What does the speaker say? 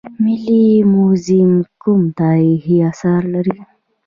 ملي موزیم کوم تاریخي اثار لري؟